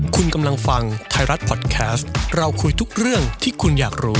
คุณกำลังฟังไทยรัฐพอดแคสต์เราคุยทุกเรื่องที่คุณอยากรู้